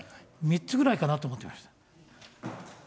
３つぐらいかなと思ってました。